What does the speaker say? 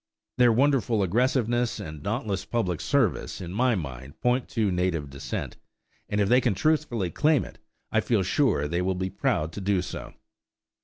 Their wonderful aggressiveness and dauntless public service in my mind point to native descent, and if they can truthfully claim it I feel sure that they will be proud to do so.